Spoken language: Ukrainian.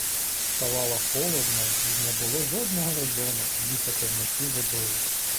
Ставало холодно й не було жодного резону їхати вночі водою.